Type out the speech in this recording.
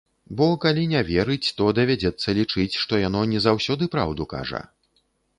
Бо калі не верыць, то давядзецца лічыць, што яно не заўсёды праўду кажа.